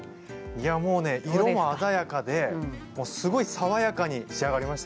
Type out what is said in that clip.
いやもうね色も鮮やかですごい爽やかに仕上がりましたね。